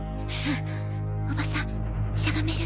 おばさんしゃがめる？